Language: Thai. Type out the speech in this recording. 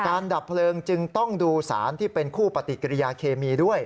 ดับเพลิงจึงต้องดูสารที่เป็นคู่ปฏิกิริยาเคมีด้วย